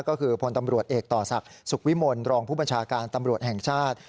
ก็คือพลตำรวจเอกต่อศักดิ์สุขวิมลรองผู้บัญชาการตำรวจแห่งชาติ